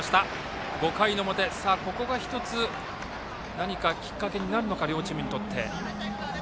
５回の表、ここが１つ何かきっかけになるのか両チームにとって。